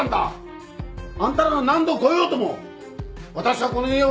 あんたらが何度来ようとも私はこの家を出ないぞ！